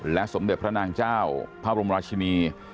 สมเด็จพระนางเจ้าพระบรมราชินี